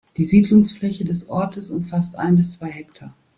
Die Siedlungsfläche des Ortes umfasst ein bis zwei Hektar.